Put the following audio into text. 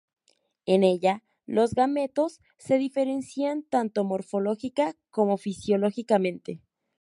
En ella, los gametos se diferencian tanto morfológica como fisiológicamente.